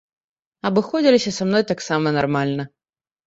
Абыходзіліся са мной таксама нармальна.